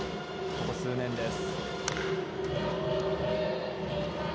ここ数年です。